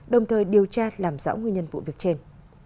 đồng thời điều tra làm rõ nguyên nhân vụ việc trên